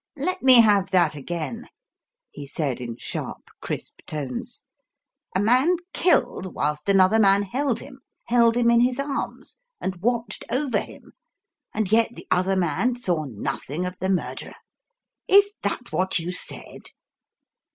"Let me have that again!" he said in sharp, crisp tones. "A man killed whilst another man held him held him in his arms and watched over him, and yet the other man saw nothing of the murderer? Is that what you said?"